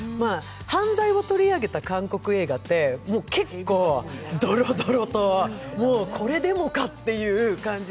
犯罪を取り上げた韓国映画って結構どろどろとこれでもかという感じ。